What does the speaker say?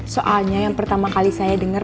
soalnya yang pertama kali saya dengar